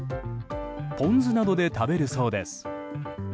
ポン酢などで食べるそうです。